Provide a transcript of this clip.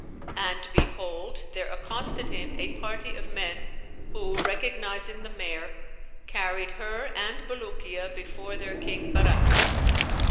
And behold, there accosted him a party of men who, recognising the mare, carried her and Bulukiya before their King Barakhiya.